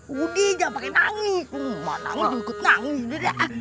wudih jangan pake nangis emak nangis juga nangis